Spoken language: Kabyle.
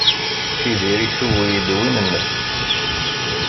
Tiziri tuwey-d win-nnes.